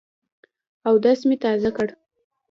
اودس مي تازه کړ .